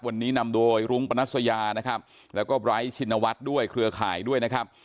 วันนี้นำโดยรุ้งปนัสยานะครับแล้วก็ไร้ชินวัฒน์ด้วยเครือข่ายด้วยนะครับ